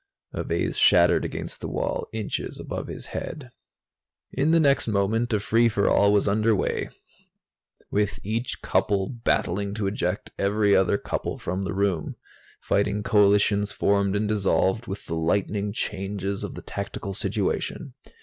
A vase shattered against the wall, inches above his head. In the next moment, a free for all was under way, with each couple battling to eject every other couple from the room. Fighting coalitions formed and dissolved with the lightning changes of the tactical situation.